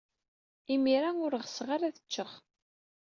Imir-a, ur ɣseɣ ara ad ččeɣ.